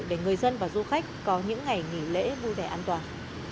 để người dân và du khách có những ngày nghỉ lễ vui vẻ an toàn